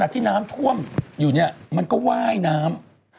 ที่น้ำท่วมอยู่เนี่ยมันก็ว่ายน้ำ